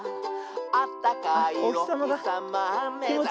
「あったかいおひさまめざして」